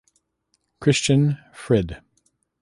Christian Frid.